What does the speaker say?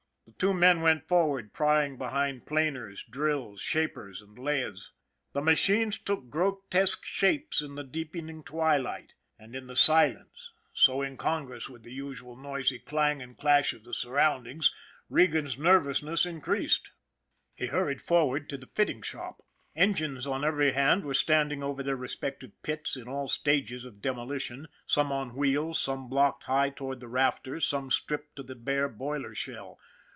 The two men went forward, prying behind planers, drills, shapers, and lathes. The machines took gro 24 ON THE IRON AT BIG CLOUD tesque shapes in the deepening twilight, and in the silence, so incongruous with the usual noisy clang and clash of his surroundings, Regan's nervousness in creased. He hurried forward to the fitting shop. Engines on every hand were standing over their respective pits in all stages of demolition, some on wheels, some blocked high toward the rafters, some stripped to the bare boiler shell.